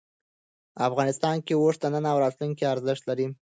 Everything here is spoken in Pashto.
افغانستان کې اوښ د نن او راتلونکي ارزښت لري.